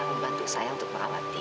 membantu saya untuk perawat dia